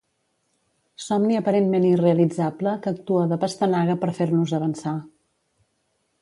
Somni aparentment irrealitzable que actua de pastanaga per fer-nos avançar.